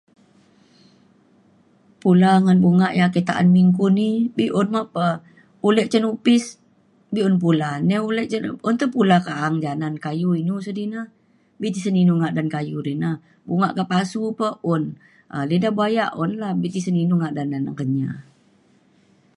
pula ngan bunga ia' ake ta'an minggu ni be'un me pa ulek cin opis be'un pula. nai ulek cin [unintelligible] pula ja na'an kayu inu sidi na. be tisen inu ngadan kayu di na. bunga ka pasu pa un um lidah buaya un la be tisen inu ngadan na neng Kenyah.